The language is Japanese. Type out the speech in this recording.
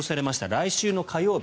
来週の火曜日。